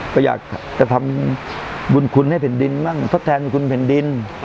ก็อยากจะทำบุญคุณให้แผ่นดินบ้างทดแทนบุญคุณแผ่นดิน